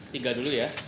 tinggal dulu ya